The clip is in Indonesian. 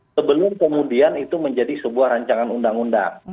sebelum kemudian itu menjadi sebuah rancangan undang undang